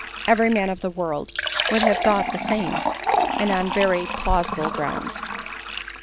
Every man of the world would have thought the same ; add on very plausible grounds.